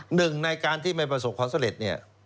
หนึ่งในการที่ไม่ประสบความสำเร็จเนี่ย